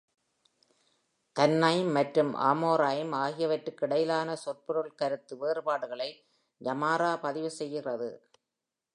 "தன்னைம்" மற்றும் "அமோராய்ம்" ஆகியவற்றுக்கு இடையிலான சொற்பொருள் கருத்து வேறுபாடுகளை "ஜமாரா" பதிவு செய்கிறது.